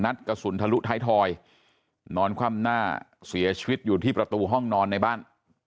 กระสุนทะลุท้ายทอยนอนคว่ำหน้าเสียชีวิตอยู่ที่ประตูห้องนอนในบ้าน